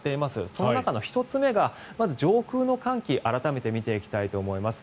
その中の１つ目がまず上空の寒気を改めて見ていきたいと思います。